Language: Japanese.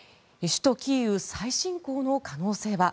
首都キーウ再侵攻の可能性は？